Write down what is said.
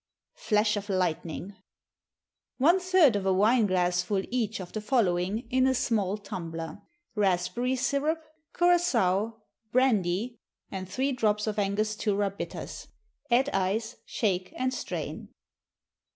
Flash of Lightning. One third of a wine glassful each of the following, in a small tumbler: Raspberry syrup, curaçoa, brandy, and three drops of Angostura bitters. Add ice, shake and strain.